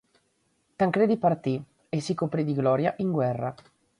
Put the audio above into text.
Tancredi partì e si coprì di gloria in guerra.